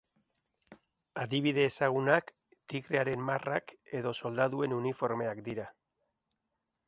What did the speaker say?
Adibide ezagunak, tigrearen marrak edo soldaduen uniformeak dira.